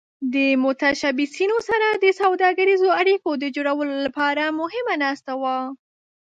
د متشبثینو سره د سوداګریزو اړیکو د جوړولو لپاره مهمه ناسته وه.